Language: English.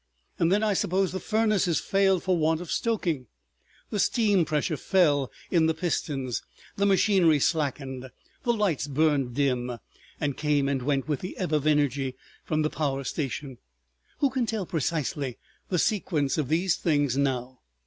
Then I suppose the furnaces failed for want of stoking, the steam pressure fell in the pistons, the machinery slackened, the lights burnt dim, and came and went with the ebb of energy from the power station. Who can tell precisely the sequence of these things now?